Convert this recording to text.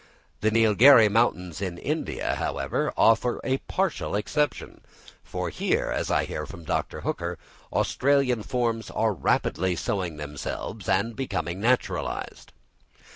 The Neilgherrie Mountains in India, however, offer a partial exception; for here, as I hear from Dr. Hooker, Australian forms are rapidly sowing themselves and becoming naturalised.